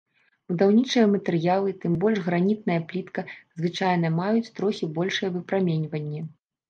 Будаўнічыя матэрыялы, тым больш гранітная плітка, звычайна маюць трохі большае выпраменьванне.